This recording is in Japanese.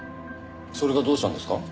それがどうしたんですか？